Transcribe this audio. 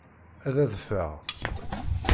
Ad adfeɣ.